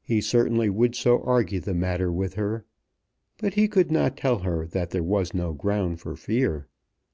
He certainly would so argue the matter with her. But he could not tell her that there was no ground for fear.